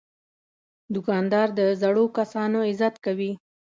دوکاندار د زړو کسانو عزت کوي.